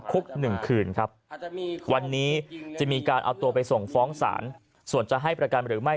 คุกหนึ่งคืนครับวันนี้จะมีการเอาตัวไปส่งฟ้องศาลส่วนจะให้ประกันหรือไม่